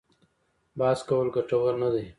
بحث کول ګټور نه دي.